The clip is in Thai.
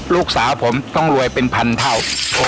ลูกสาวผมต้องรวยเป็นพันเท่า